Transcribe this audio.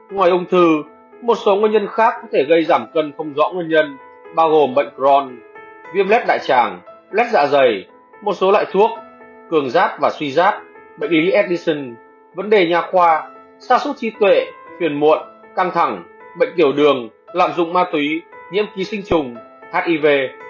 ngoài ung thư một số nguyên nhân khác có thể gây giảm cân không rõ nguyên nhân bao gồm bệnh crohn viêm lét đại tràng lét dạ dày một số loại thuốc cường rác và suy rác bệnh ý edison vấn đề nhà khoa sa sút trí tuệ phiền muộn căng thẳng bệnh kiểu đường lạm dụng ma túy nhiễm ký sinh trùng hiv